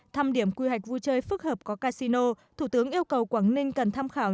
thăm điểm quy hoạch vui chơi phức hợp có casino thủ tướng yêu cầu quảng ninh cần tham khảo